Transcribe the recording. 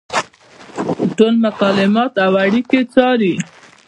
ټول مکالمات او اړیکې څاري.